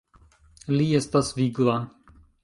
Li estas vigla.